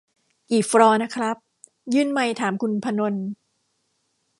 กี่ฟลอร์นะครับ ยื่นไมค์ถามคุณพนล